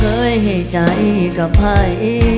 ไม่เคยใจก็พ่าย